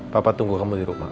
papa tunggu kamu di rumah